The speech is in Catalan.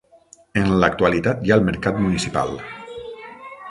En l'actualitat hi ha el mercat municipal.